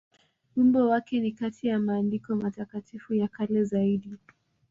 Wimbo wake ni kati ya maandiko matakatifu ya kale zaidi.